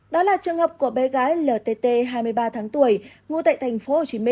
đó là trường hợp của bé gái ltt hai mươi ba tháng tuổi ngụ tại tp hcm